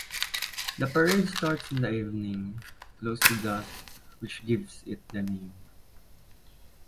The parade starts in the evening, close to dusk which gives it the name.